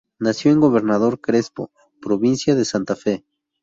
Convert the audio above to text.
Nació en Gobernador Crespo, provincia de Santa Fe.